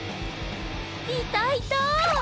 いたいた！